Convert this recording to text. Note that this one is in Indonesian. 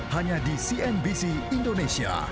hanya di cnbc indonesia